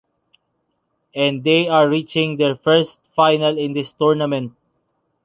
And they are reaching their first final in this tournament.